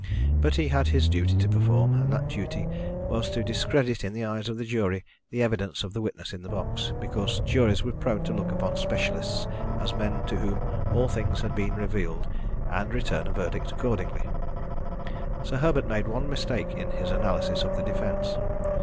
But he had his duty to perform, and that duty was to discredit in the eyes of the jury the evidence of the witness in the box, because juries were prone to look upon specialists as men to whom all things had been revealed, and return a verdict accordingly. Sir Herbert made one mistake in his analysis of the defence.